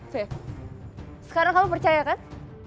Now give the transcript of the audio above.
sekarang kamu percaya kan